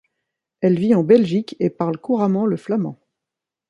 Elle vit en Belgique et parle couramment le flamand.